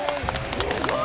すごい！